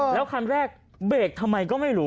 แล้วคันแรกเบรกทำไมก็ไม่รู้